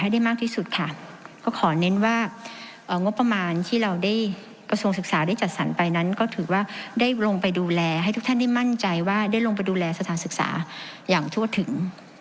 ได้ประสงค์ศึกษาได้จัดสรรค์ไปนั้นก็ถือว่าได้ลงไปดูแลให้ทุกท่านได้มั่นใจว่าได้ลงไปดูแลสถานศึกษาอย่างทอดถึง